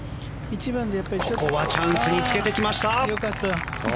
ここはチャンスにつけてきました。